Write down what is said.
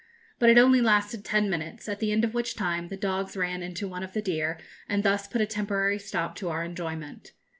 But it only lasted ten minutes, at the end of which time the dogs ran into one of the deer, and thus put a temporary stop to our enjoyment.